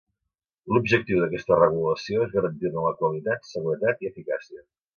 L'objectiu d'aquesta regulació és garantir-ne la qualitat, seguretat i eficàcia.